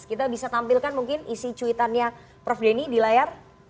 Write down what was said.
kita bisa tampilkan mungkin isi cuitannya prof denny di layar